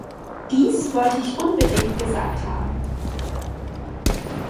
Dies wollte ich unbedingt gesagt haben.